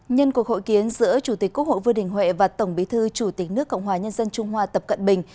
nhân cuộc hội kiến giữa chủ tịch quốc hội vương đình huệ và tổng bí thư chủ tịch nước cộng hòa nhân dân trung hoa tập cận bình